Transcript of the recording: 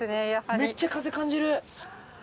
めっちゃ風感じる！